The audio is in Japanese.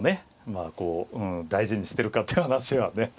まあこう大事にしてるかって話はね